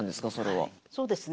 はいそうですね。